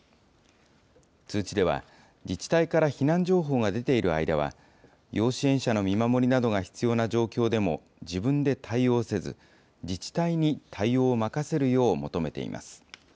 通知では、自治体から避難情報が出ている間は、要支援者の見守りなどが必要な状況でも、自分で対応せず、自治体に対応を任せるよう求めています。